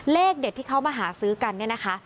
เลขเด็ดที่เขามาหาซื้อกันเนี่ยนะคะ